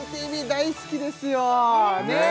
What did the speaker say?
大好きですよねえ